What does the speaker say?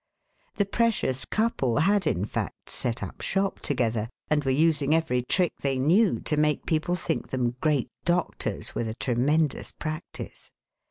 The precious couple had, in fact, set up shop together, and were using every trick they knew to make people think them great doctors with a tremendous practice.